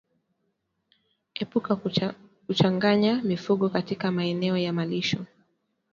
Epuka kuchanganya mifugo katika maeneo ya malisho